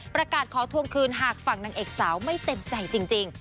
ประกาศขอทวงคืนหากฝั่งนางเอกสาวไม่เต็มใจจริง